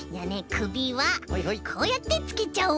くびはこうやってつけちゃおう。